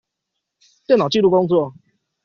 電腦紀錄工作